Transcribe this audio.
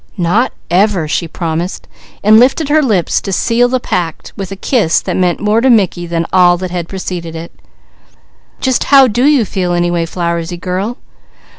"Not ever," she promised, and lifted her lips to seal the pact with a kiss that meant more to Mickey than all that had preceded it. "Just how do you feel, anyway, Flowersy girl?"